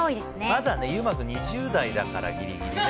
まだ優馬君２０代だからギリギリ。